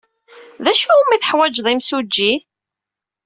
D acu umi teḥwajed imsujji?